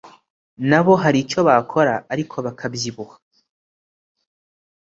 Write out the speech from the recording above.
Nabo hari icyo bakora ariko bakabyibuha.